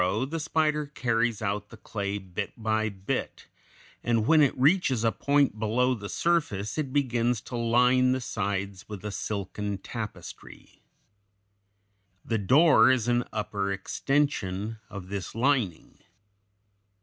] In forming the burrow the spider carries out the clay bit by bit, and when it reaches a point below the surface it begins to line the sides with a silken tapestry. The door is an upper extension of this lining.